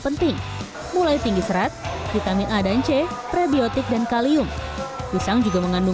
penting mulai tinggi serat vitamin a dan c prebiotik dan kalium pisang juga mengandung